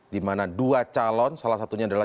dimana dua calon salah satunya adalah